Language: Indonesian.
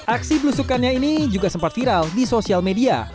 aksi belusukannya ini juga sempat viral di sosial media